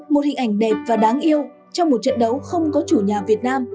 một hình ảnh đẹp và đáng yêu trong một trận đấu không có chủ nhà việt nam